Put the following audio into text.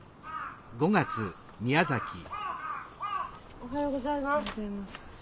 おはようございます。